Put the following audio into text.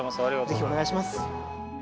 ぜひお願いします。